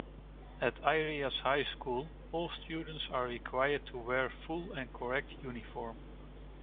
At Eirias High School all students are required to wear full and correct uniform.